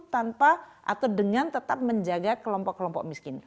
tanpa atau dengan tetap menjaga kelompok kelompok miskin